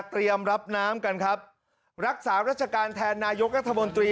รับน้ำกันครับรักษารัชการแทนนายกรัฐมนตรี